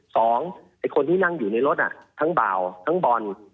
ไอ้คนที่นั่งอยู่ในรถทั้งเบาทั้งบอล